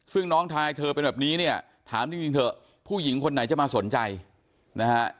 ซึ่งน้องทายเธอเป็นแบบนี้เนี่ยถามจริงเถอะผู้หญิงคนไหนจะมาสนใจนะฮะ